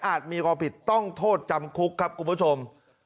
มีความผิดต้องโทษจำคุกครับคุณผู้ชม